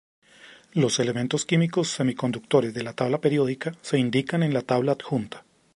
Los elementos químicos semiconductores de la tabla periódica se indican en la tabla adjunta.